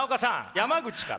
山口から！